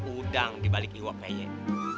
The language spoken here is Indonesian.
udang dibalik iwak peyek